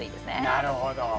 なるほど。